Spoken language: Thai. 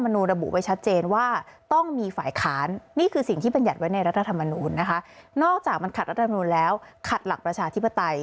นอกจากมันขัดรัฐธรรมนุนแล้วขัดหลักประชาธิปไตย